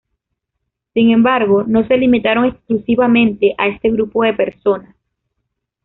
Sin embargo, no se limitaron exclusivamente a este grupo de personas.